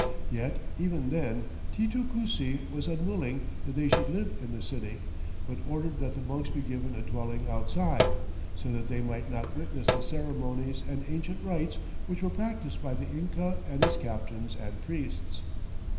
Yet even then Titu Cusi was unwilling that they should live in the city, but ordered that the monks be given a dwelling outside, so that they might not witness the ceremonies and ancient rites which were practiced by the Inca and his captains and priests.